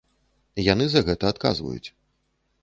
Яны за гэта адказваюць.